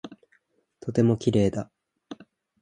とても綺麗だ。